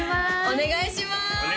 お願いします